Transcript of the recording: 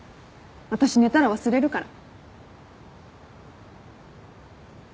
私寝たら忘れるから。